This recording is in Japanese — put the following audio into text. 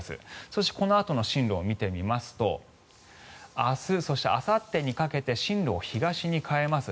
そしてこのあとの進路を見てみますと明日、そしてあさってにかけて進路を東に変えます。